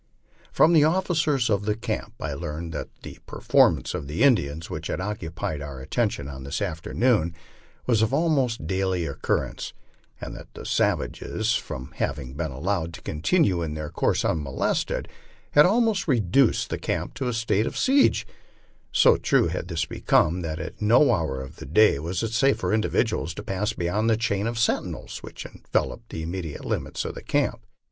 From the officers of the cam j I learned that the performance of the Indians which had occupied our attention on this afternoon was of almost daily occurrence, and that the savages, from having LIFE ON THE PLAINS. 127 been allowed to continue in their course unmolested, had almost reduced the camp to a state of siege ; so true had this become that at no hour of the day was it safe for individuals to pass beyond the chain of sentinels which enveloped the immediate limits of the camp.